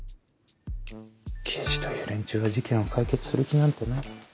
刑事という連中は事件を解決する気なんてない。